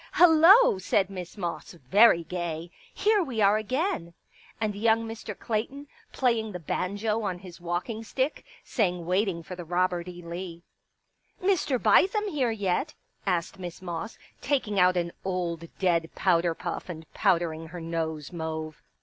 " Hello," said Miss Moss, very gay. " Here we are again !" And young Mr. Clayton, playing the banjo on] his walking stick, sang :" Waiting for the Robert] E. Lee." " Mr. Bithem here yet ?" asked Miss Moss, taking out an old dead powder puff and powdering] her nose mauve.